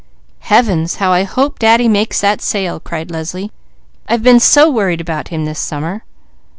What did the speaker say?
"Heavens, how I hope Daddy makes that sale!" cried Leslie. "I've been so worried about him this summer."